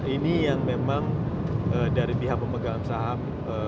ini yang memang dari pihak pemegang saham